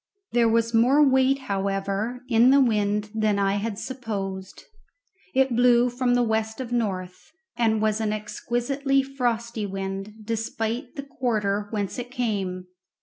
There was more weight, however, in the wind than I had supposed. It blew from the west of north, and was an exquisitely frosty wind, despite the quarter whence it came.